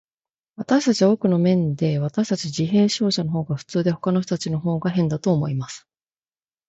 私は、多くの面で、私たち自閉症者のほうが普通で、ほかの人たちのほうが変だと思います。